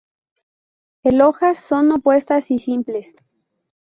El hojas son opuestas y simples.